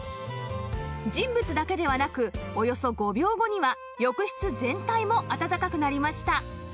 人物だけではなくおよそ５秒後には浴室全体もあたたかくなりました